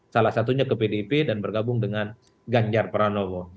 salah satunya ke pdip dan bergabung dengan ganjar pranowo